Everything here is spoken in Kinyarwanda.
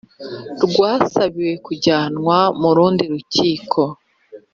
rwasabiwe kujyanwa mu rundi rukiko